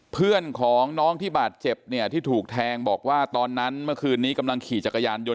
เพื่อนของน้องที่บาดเจ็บเนี่ยที่ถูกแทงบอกว่าตอนนั้นเมื่อคืนนี้กำลังขี่จักรยานยนต